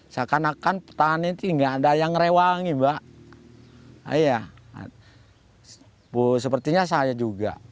saya ngerewangi mbak sepertinya saya juga